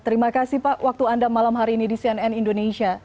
terima kasih pak waktu anda malam hari ini di cnn indonesia